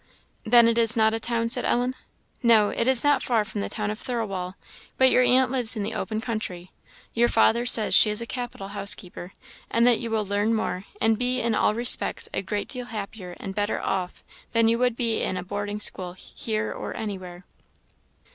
"Then it is not a town?" said Ellen. "No; it is not far from the town of Thirlwall, but your aunt lives in the open country. Your father says she is a capital housekeeper, and that you will learn more, and be in all respects a great deal happier and better off, than you would be in a boarding school here or anywhere."